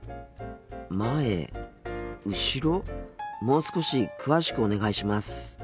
もう少し詳しくお願いします。